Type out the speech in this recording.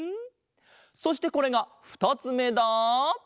そしてこれがふたつめだ！